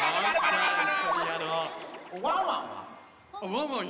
ワンワンは？